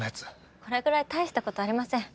これぐらい大した事ありません。